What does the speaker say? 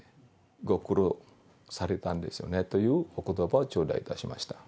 ご苦労されたんですよねというおことばを頂戴いたしました。